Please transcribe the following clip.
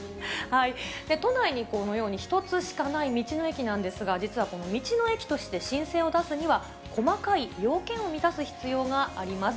都内にこのように１つしかない道の駅なんですが、実はこの道の駅として申請を出すには、細かい要件を満たす必要があります。